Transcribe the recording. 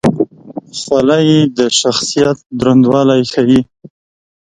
خولۍ د انسان د شخصیت دروندوالی ښيي.